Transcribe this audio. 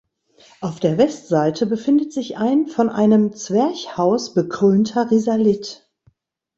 Auf der Westseite befindet sich ein von einem Zwerchhaus bekrönter Risalit.